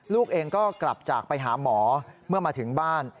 ลูกเองก็กลับจากไปหาหมอเมื่อมาถึงบ้าน